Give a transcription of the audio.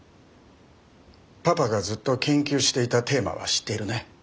パパがずっと研究していたテーマは知っているね。